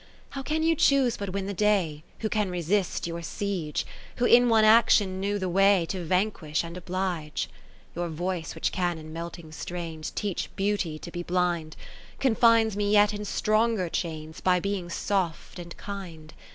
How can you choose but win the day. Who can resist your siege, 10 Who in one action know the way To vanquish and oblige ? Your voice which can in melting strains Teach Beauty to be blind. Confines me yet in stronger chains, By being soft and kind.